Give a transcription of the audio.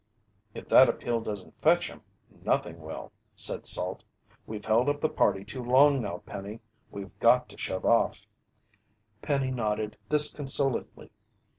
"If that appeal doesn't fetch him, nothing will," said Salt. "We've held up the party too long now, Penny. We've got to shove off." Penny nodded disconsolately.